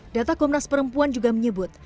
data komnas perempuan juga menyebut